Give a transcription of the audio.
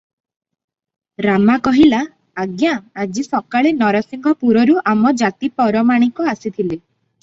ରାମା କହିଲା, "ଆଜ୍ଞା ଆଜି ସକାଳେ ନରସିଂହପୁରରୁ ଆମ ଜାତି ପରମାଣିକ ଆସିଥିଲେ ।